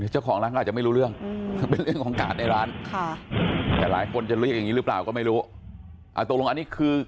เจ้าของร้านก็อาจจะไม่รู้เรื่องเป็นเรื่องของกากในร้าน